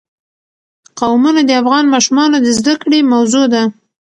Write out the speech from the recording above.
قومونه د افغان ماشومانو د زده کړې موضوع ده.